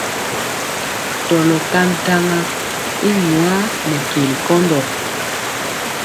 Tɔlɔ ka ntaŋa i nwaa nɛ keli nkɔndɔ.